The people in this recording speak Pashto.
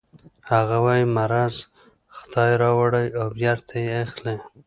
هغه وايي مرض خدای راوړي او بېرته یې اخلي